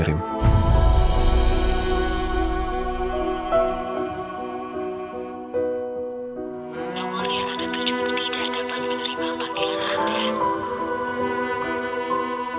di mana tuh